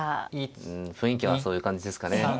うん雰囲気はそういう感じですかね。